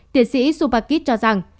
tiến sĩ supakit cho rằng